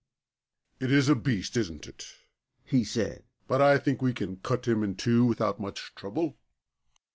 "It is a beast, isn't it?" he said; "but I think we can cut him in two without much trouble."